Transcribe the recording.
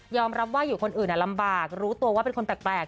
รับว่าอยู่คนอื่นลำบากรู้ตัวว่าเป็นคนแปลก